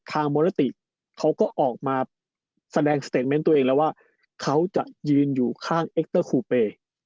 ทางโมลาติเขาก็ออกมาแสดงตัวเองแล้วว่าเขาจะยืนอยู่ข้างเอ็กเตอร์คูเป